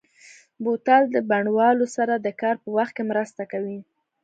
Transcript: بوتل د بڼوالو سره د کار په وخت کې مرسته کوي.